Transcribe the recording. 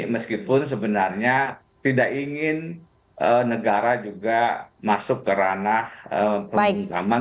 meskipun sebenarnya tidak ingin negara juga masuk ke ranah pemukaman